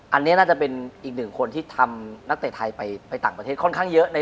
อันนี้น่าจะเป็นอีกหนึ่งคนที่ทำนักเตะไทยไปต่างประเทศค่อนข้างเยอะ